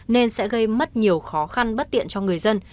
nên sẽ gây mất nhiều khó khăn bất tiện cho người dân